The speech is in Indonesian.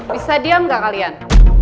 bisa diam gak kalian